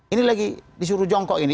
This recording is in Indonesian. ini lagi disuruh jongkok ini